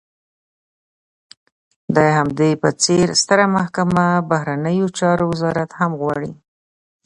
د همدې په څېر ستره محکمه، بهرنیو چارو وزارت هم غواړي.